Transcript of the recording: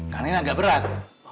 karena ini agak berat